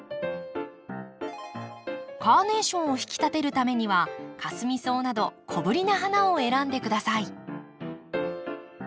カーネーションを引き立てるためにはカスミソウなど小ぶりな花を選んで下さい。